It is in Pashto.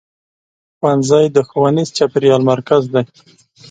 ښوونځی د ښوونیز چاپېریال مرکز دی.